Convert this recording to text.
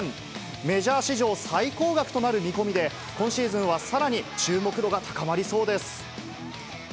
メジャー史上最高額となる見込みで、今シーズンはさらに注目度が高まりそうです。